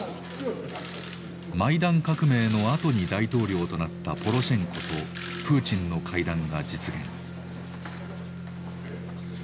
マイダン革命のあとに大統領となったポロシェンコとプーチンの会談が実現。